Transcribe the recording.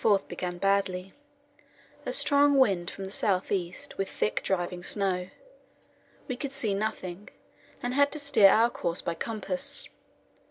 February 24 began badly a strong wind from the south east, with thick driving snow. We could see nothing, and had to steer our course by compass.